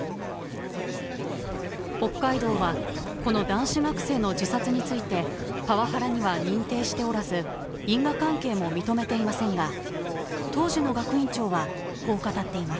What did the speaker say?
北海道はこの男子学生の自殺についてパワハラには認定しておらず因果関係も認めていませんが当時の学院長はこう語っています。